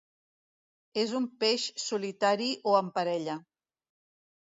És un peix solitari o en parella.